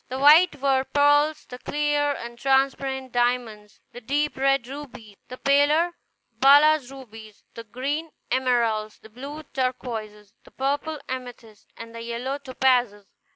The white were pearls; the clear and transparent, diamonds; the deep red, rubies; the paler, balas rubies; the green, emeralds; the blue, turquoises; the purple, amethysts; and the yellow, topazes.